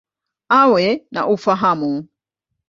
Awe na ufahamu.